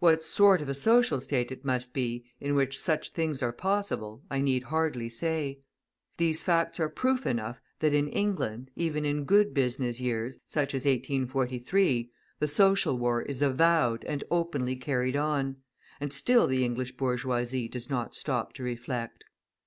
What sort of a social state it must be in which such things are possible I need hardly say. These facts are proof enough that in England, even in good business years, such as 1843, the social war is avowed and openly carried on, and still the English bourgeoisie does not stop to reflect!